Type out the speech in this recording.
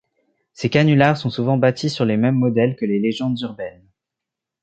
Ces canulars sont souvent bâtis sur les mêmes modèles que les légendes urbaines.